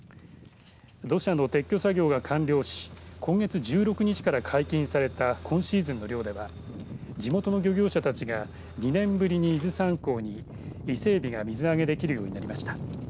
土砂の撤去作業が完了し今月１６日から解禁された今シーズンの漁では地元の漁業者たちが２年ぶりに伊豆山港に伊勢えびが水揚げできるようになりました。